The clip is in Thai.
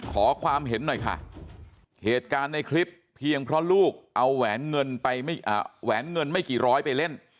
ขอความเห็นหน่อยค่ะเหตุการณ์ในคลิปเพียงเพราะลูกเอาแหวนเงินไปแหวนเงินไม่กี่ร้อยไปเล่น